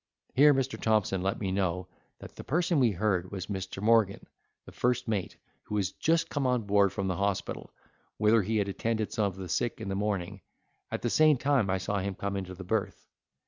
Here Mr. Thompson let me know, that the person we heard was Mr. Morgan, the first mate, who was just come on board from the hospital, whither he had attended some of the sick in the morning; at the same time I saw him come into the berth.